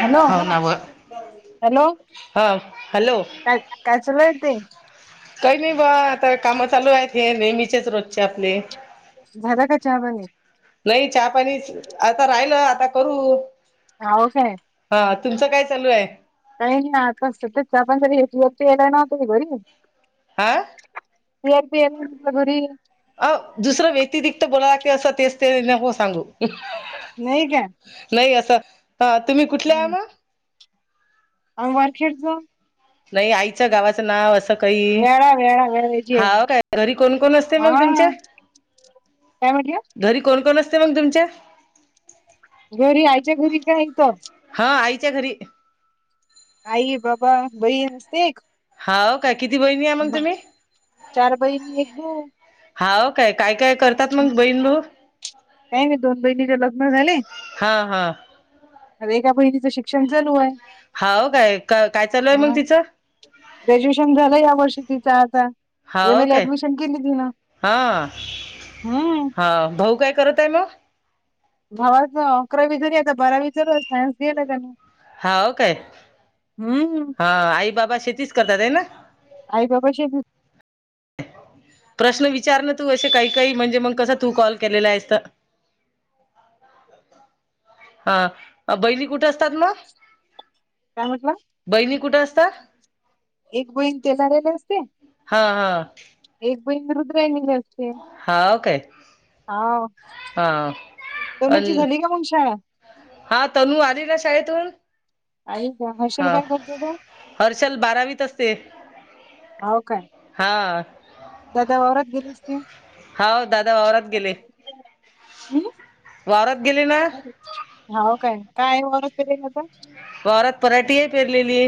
Hello हाव ना व हॅलो हा हॅलो काय काय चालू आहे ताई काही नाही बा आता काम चालू आहेत हे नेहमीचेच रोजचे आपले झालं का चहा पाणी नाही चहा पाणीच आता राहिलं आता करू हाव काय हा तुमचं काय चालू आहे काय नाय हा कसला पण जरी [inaudible] हा मी एकटी येते तुझ्या घरी अ दुसरं व्यतिरिक्त बोलाय लागते असं तेच ते नको सांगू नाही काय नाही आता तुम्ही कुठल्या हाय व? [unintelligible] वारखेडच. नाही आईच्या गावाचं नाव असं काही, वेळा वेळा वेळाची आहे हाव काय? घरी कोण कोण असते मग हा तुमच्या? काय म्हटला? घरी कोण कोण असते मग तुमच्या? घरी, आईच्या घरी का? इथं? हा, आईच्या घरी. आई, बाबा, बहीण असते एक. हाव काय? किती बहिणी आहे मग तुम्ही? चार बहिणी एक भाऊ हाव काय? काय काय करतात मग बहिणी, भाऊ? काही नाही, दोन बहिणीचे लग्न झाले. हा हा. एका बहिणीचं शिक्षण चालूय. हाव काय? काय चालू आहे मग तिचं? ग्रॅज्युएशन झालं या वर्षी तिचा आता. एम हाव ए ला काय? ऍडमिशन केली तिनं हं. [unintelligible] हा, भाऊ काय करत आहे मग? भावाच अकरावी झाली. आता बारावी चालूय. सायन्स घेल त्यांनी. हाव काय? हम्म. हा, आई, बाबा शेतीच करतात हे ना? आई बाबाशी प्रश्न विचारण तू असे, काही काही म्हणजे मग कसं तू कॉल केलेला आहेस त हा, बहिणी कुठे असतात मग? काय म्हटला? बहिणी कुठं असतात एक बहीण तेलाऱ्याला असते. हा हा एक बहीण रुद्रायणीला अस हाव काय? हा. तनू ची अन झाली का मंग शाळा? हा तनू आली ना शाळेतून. आई का हा हर्षल काय करते तो हर्षल बारावीत असते. हाव काय हा. दादा वावरात गेले असतील? हाव दादा वावरात गेले. हम्म? वावरात गेले ना हाव काय? काय वावरात पेरले आता? वावरात पराठीये पेरलेली.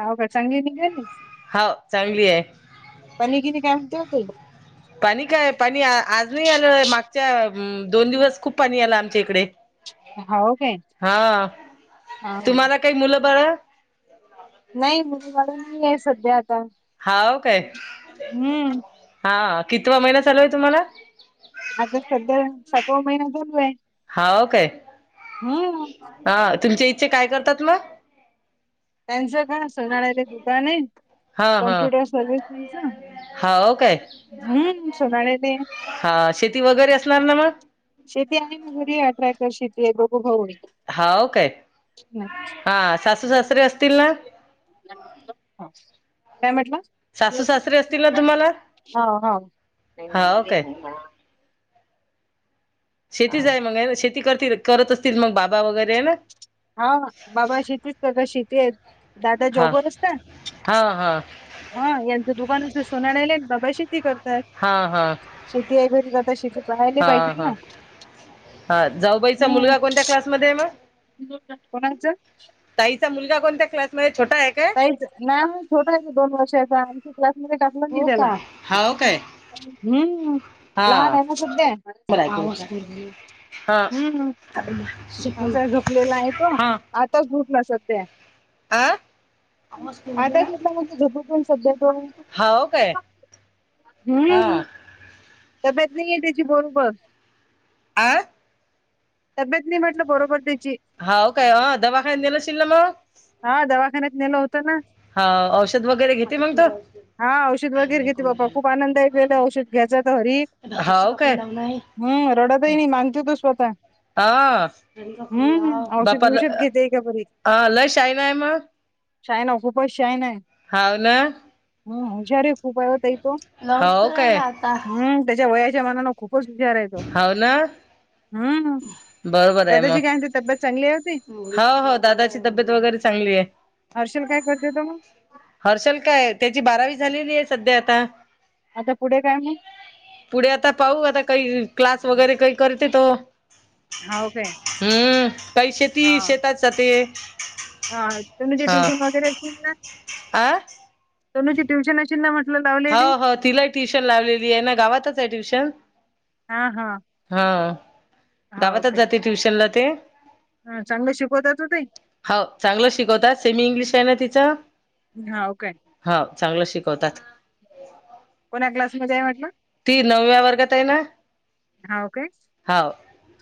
हाव काय? चांगली निघे [unintelligible] हाव, चांगलीय. पाणी गिनी काय [unintelligible] पाणी काय, पाणी आज नाही आलं. मागच्या दोन दिवस खूप पाणी आलं आमच्या इकडे. हाव काय? हा हा हा. तुम्हाला काही मुलं बाळ? नाही, मुलं वाढुन नाही आहे सध्या आता हाव, काय? हम्म हा कितवा महिना चालू आहे तुम्हाला. आता सध्या सातवा महिना चालू आहे. हो, काय? हम्म हा तुमच्या हिचे काय करतात मग? त्यांचं काय सोनराचं दुकान आहे. हा हा कॉम्प्युटर सर्व्हिसिंगचं हाव काय आणि सोनारचं. हा, शेती वगैरे असणार ना मग? शेती आहे ना, घरी आहे. ट्रॅक्टर, शेती आहे. दोघ भाऊ आहेत. हावं, काय हा? सासू-सासरे असतील ना? काय म्हटंला? सासू सासरे असतील ना तुम्हाला हा-हा. हाव काय शेतीच आहे मग ना? शेती करतील करत असतील मग, बाबा वगैरे आहे ना. हा, बाबा शेतीच करतात. शेती आहेत, दादा हा जॉबवर असतात. हा हा हा, यांचं दुकानच सोनाराचे. बाबा शेती करतय. हा हा शेती आहे घरी, तर आता शेती पाहायला हा पाहिजेत हा ना. हा, जाऊबाईचा हम्म मुलगा कोणत्या क्लासमध्ये आहे मग? कोणाचं? ताईचा मुलगा कोणत्या क्लासमध्ये? छोटा आहे का? नाही, छोटा आहे. दोन वर्षाचा. क्लासमध्ये टाकला नाही त्याला, हाव काय हम्म. लहान हा, आहे ना सध्या बरंय, हा. हम्म असा झोपलेला आहे तो. हा आत्ताच उठला सध्या, आ हं. आता उठला म्हणा. झुप पण सध्या तो, हाव काय हा हम्. तब्येत नाहीये त्याची बरोबर. आं. तब्येत नाही म्हटलं बरोबर त्याची. हाव, काय? अ, दवाखान्यात नेल असशील ना मग? हा, दवाखान्यात नेलं होत ना. हा, औषध वगैरे घेते मंग तो? हा, औषध वगैरे घेते. बाबा, खूप आनंदय गेलं औषध घ्यायच तर हरी. हावं, काय. हम, रडतही नाही. मागतो तू स्वतः. हा, हं, बापाला औषध-बिवषध घेते का बरी. हा लयं शहाणा नाय मग. शहाणा आहे, खूपच शहाणा आहे. हावं ना. हम्म, हुशार आहे खूप ओ, ताई तो. हो, काय. हम लं, त्याच्या वयाच्या मानाने खूपच हुशार आहे तो. हाव ना हम, दादाची काय ते तब्येत चांगली आहे होती. हो-हो, दादाची तब्येत वगैरे चांगली आहे. हर्षल, काय करतेेत मग? हर्षल काय, त्याची बारावी झालेली आहे सध्या आता. आता पुढे काय मग? पुढे आता पाहू, आता काही क्लास वगैरे काही करतेत. हाव काय? हम्म काही शेती हां, शेतात जाते. हां तर म्हणजे ट्युशन वगैरे असशील ना? आं तनुची ट्यूशन अशील ना मग? हाव हाव तिला ट्युशन लावलेली आहे ना गावातच आहे ट्युशन. हा हा हां गावातच जाते ट्युशनला ते. हां चांगले शिकवतात हो ते? हाव चांगलं शिकवतात सेमी इंग्लिश आहे ना तिचं. हाव काय? हाव चांगलंच शिकवतात. कोण्या क्लासमध्ये आहे म्हटलं? ती नवव्या वर्गात आहे ना. हाव काय? हाव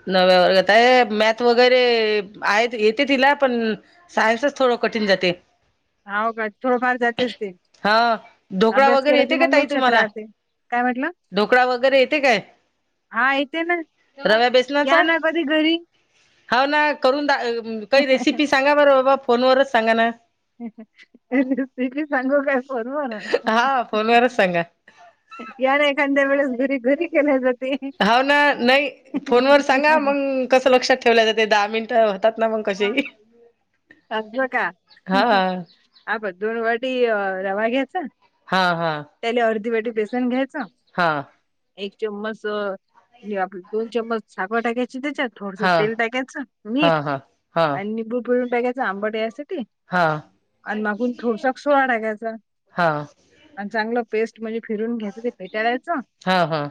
नवव्या वर्गात आहे मॅथ वगैरे आहेत येते तिला पण सायन्सच थोडं कठीण जाते. हाव का थोडंफार जातेच ते हा ढोकळा अभ्यास वगैरे केला की येते का मग ताई लक्षात तुम्हाला राहते. काय म्हटलं? ढोकळा वगैरे येते काय हा येते ना रव्या या बेसनाचा? ना कधी घरी हाव ना करून दा काही रेसिपी सांगा बरं बाबा फोनवरच सांगा ना. ती रेसिपी सांगू काय फोनवर? हा फोनवरच सांगा या ना एखांदे वेळेस घरी. घरी केल्या जाते हाव ना नाही फोनवर सांगा मंग. कसं लक्षात ठेवल्या जाते दहा मिनिटं? होतात ना मग कसे होय, अस का? हा आपण दोन वाटी रवा घ्यायचा. हां हां. त्याले अर्धी वाटी बेसन घ्यायचं. एक चम्मच हे आपली दोन चम्मच साखर टाकायची त्याच्यात. थोडसं हा तेल टाकायचं हा मीठ हा हा आणि निंबू पिळून टाकायचं आंबाट व्ह्यासाठी. हा आणि मागून थोडसा सोडा टाकायचा. हा आणि चांगलं पेस्ट म्हणजे फिरून घ्यायचं ते फेटाळायच हा हा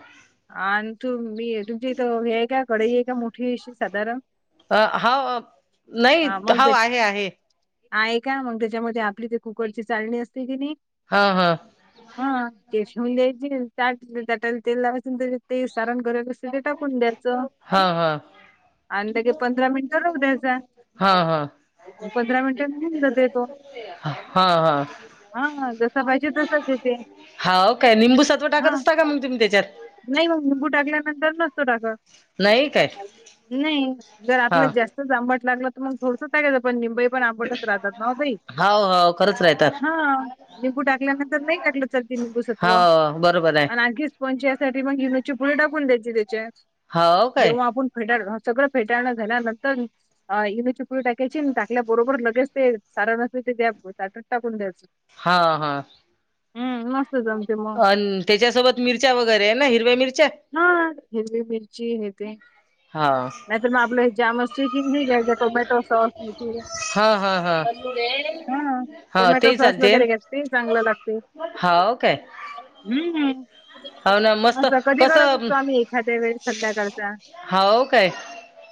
आण तुम मी तुमच्या इथं हे आहे का कडई आहे का मोठीशी साधारण? अ हाव नाही हा मग हाव ते आहे आहे. आहे का मग त्याच्यामध्ये आपली ते कुकरची चाळणी असते की नाही हां हां. हां ते ठेऊन द्यायचं त्यात ताटाला तेल लावायचं अन त्याच्यात ते सारण [unintelligible] त्यात टाकून द्यायचं हा हा आणि लगेच पंधरा मिनट राहू द्यायचा. हां हां. पंधरा मिनिटांनी होऊन जातोय तो. हां हां. हां जसां पाहिजे तसाच येते. हाव काय, लिंबूसत्व हा टाकत असता का मग तुम्ही त्याच्यात? नाही मग लिंबू टाकल्यानंतर नसतो टाकत, नाही काय नाही जर हा आपलं जास्त तच आंबट लागलं तर मग थोडसं टाकायचं पण निंबई पण आंबटच राहतात ना ताई. हाव हाव खरंच राहतात हा, मी गुडकल्या नंतर नाही टाकलो, चलते निंबू सत्व. हाव, बरोबर आहे. आणि आणखी स्पनजी यासाठी मग इनो ची फूडी टाकून द्यायची त्याच्यात. हाव काय. जेव्हा आपण फेटाळ नवं, सगळं फेटाळणं झाल्या नंतर अ इनोची पुडी टाकायची, टाकल्या बरोबर लगेच ते सारंन येतय त्या ताटात टाकून द्यायचं. हा-हा. हम्, मस्त जमतंय मग. अन् त्याच्यासोबत मिरच्या वगैरे आहे ना, हिरव्या मिरच्या. हा, हिरवी मिरची हे ते. हा. नाही तर मग आपल ए जाम असतोय किनि हेज टोमॅटो सॉस ही ती हा हा हा टाकू ते, हा. हा टोमॅटो तेही सॉस चालते वगैरे घेतली, चांगलं लागते, हाव हम्म. हाव ना, मस्त. बीगडच कसं असतो आम्ही एखाद्या वेळी संध्या काळचा. हाव काय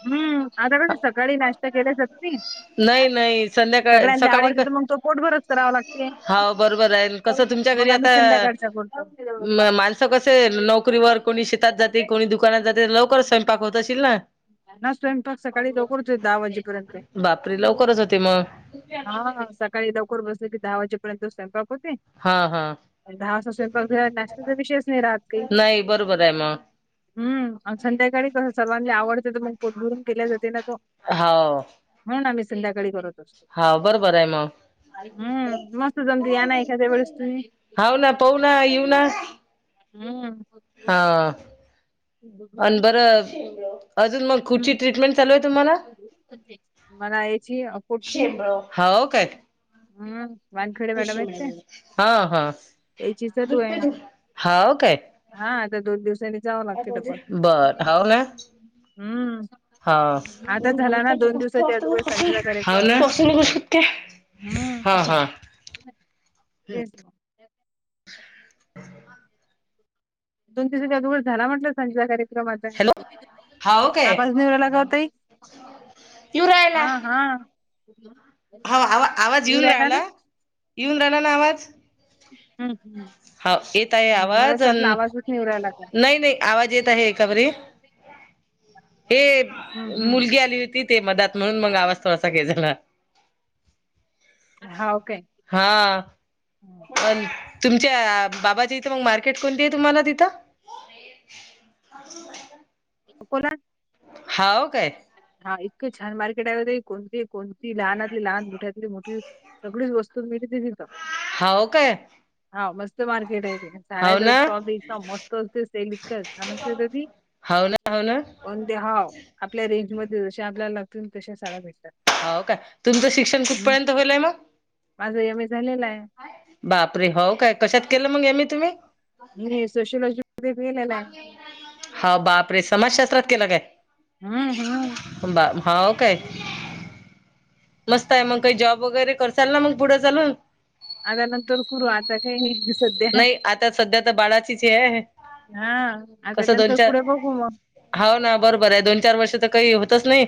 हम्म, आता कसं सकाळी नाश ते केलेच असतील, नाही नाही संध्याकाळ सगळ्यांना सकाळी आवडते क तर मग तो पोटभरच करावं लागते. हाव बरोबर आहे, कसं तुमच्या मग घरी आम्ही आता, संध्याकाळचा करतो माणसं कसं नोकरीवर कोणी शेतात जाते, कोणी दुकानात जाते, लवकरच स्वयंपाक होत असशील ना. ना स्वयंपाक सकाळी लवकर होतोय दहा वाजेपर्यंत ते बापरे, लवकरच होते म. हा, सकाळी लवकर बसले की दहा वाजेपर्यंत स्वयंपाक होते. हा हा दहा वाजता स्वयंपाक झाला, नाश्त्याचा विषयच नाही राहत काही. नाही बरोबर आहे मग हम्म, आणि संध्याकाळी कस सर्वांना आवडते तर मग पोटभरून केल्या जाते ना तो. हाव. म्हणून आम्ही संध्याकाळी करत. हाव बरोबर आहे मग हम्म, मस्त जमतं या ना एखाद्या वेळेस तुम्ही. हाव ना, पाहू ना, येऊ ना. हम्. हा. आणि बरं, अजून मग कुची हम्म ट्रीटमेंट चालूये तुम्हाला? मला हेची अ कुटची, हाव काय हम्म. वानखेडे मॅडम आहेत काय, हा हा त्याचीच डोळ्यान हाव हा, आता दोन दिवसांनी जावा काय बोललीस, बरं हाव ना. हम्म. हा, आता हाव झाला ना दोन दिवसाच्या अगोदर सांजेचा कार्यक्रम ना. हम्म हा-हा. तेच. दोन दिवसाच्या आदुगर झाला म्हटलं संजा करे क्रमात हाय, हॅलो हाव काय आवाज येऊ नाही राहिला ताई. हा-हा‌. हवं-हवं आवाज येऊन राहिला, येऊन राहिला ना आवाज. हम्म-हम्म. हा येत आहे हम मला आवाज असं वाटलं नाही आवाजच निेवरायलागत. नाही आवाज येत आहे का बरे [inaudible] हे मुलगी आली होती. ते मदात म्हणून मग आवाज थोडासा गेलेला. हावं काय? हा पण तुमच्या बाबाच्या इथे मग मार्केट कोणते आहे तुम्हाला तिथं? कोला हाव काय हा इतकं छान मार्केट आहे ना ते कोणती कोणती लहानतली लहान मोठ्यातली मोठी सगळीच वस्तू मिळती तिथ. हावो काय हा मस्त मार्केट आहे ते हाव साड्याचा ना स्टॉल इतका मस्त असते सेल इतकं छान असते ते ती हावणं हावणं पण ते हाव आपल्या रेंज मध्ये जशे आपल्याला लागतील तशा साड्या भेटतात. हाव काय तुमचं शिक्षण हम्म कुठपर्यंत होईले मग? माझं एम ए झालेलं आहे. बापरे हो काय कशात केलं मंग ए मे तुम्ही? मी सोशलॉजी मध्ये केलेलं आहे. हा बाप रे समाजशास्त्रात केला काय? हम हम्म बर ही काय? मस्त आहे मग काही जॉब वगैरे करचाल ना मंग पुढे चालून. आल्या नंतर करू आता काय नाही. सध्या नाही आता सध्या तर बाळाचीच हे आहे. हा अग नंतर पुढ बघू म हो ना बरोबर आहे दोन चार वर्ष तर काही होतच नाही.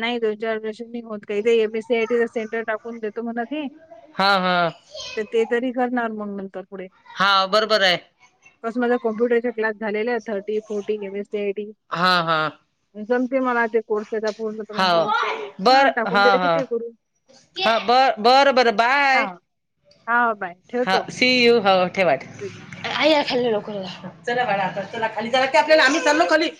नाय दोन चार [unintelligible] होत काही ते M S C I T centre टाकू कोन देतो मला ते, हा हा ते तरी करणार मंग नंतर पुढे. हा बरोबर आहे. कस माझा कॉम्प्युटरचा क्लास झालेला आहे thirty forty M S C I T हा हा मजतंय मला ते कोर्स त्याजा पूर्ण तर म्हटलं हाव मग त्यानी ह बर टाकून हा दिलं कि हा ते करू. हा ब-बरं बरं हा बाय. हा बाय ह ठेवतो सी यू हो ठेवा ठेवा आई ह्याला खाली लवकर जा चला बाळा आता चला खाली चला की आपल्याला आम्ही चाललो खाली.